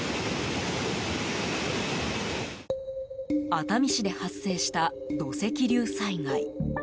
熱海市で発生した土石流災害。